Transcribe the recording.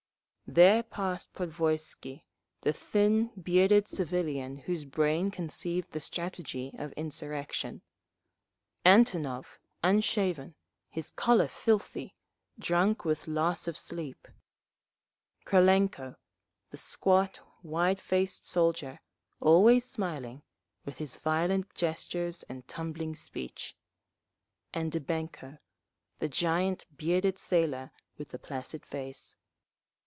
There passed Podvoisky, the thin, bearded civillian whose brain conceived the strategy of insurrection; Antonov, unshaven, his collar filthy, drunk with loss of sleep; Krylenko, the squat, wide faced soldier, always smiling, with his violent gestures and tumbling speech; and Dybenko, the giant bearded sailor with the placid face.